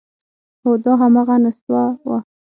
هو، دا همغه نستوه و…